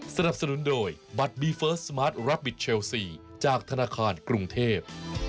สนับสนุนโดยบัตรบีเฟิร์สสมาร์ทรับบิทเชลซีจากธนาคารกรุงเทพ